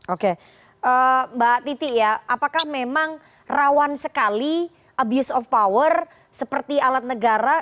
oke mbak titi ya apakah memang rawan sekali abuse of power seperti alat negara